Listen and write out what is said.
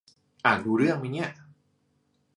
อ่านรู้เรื่องมั๊ยเนี่ย